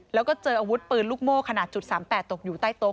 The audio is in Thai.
แล้วก็เจออาวุธปืนลูกโม่ขนาด๓๘ตกอยู่ใต้โต๊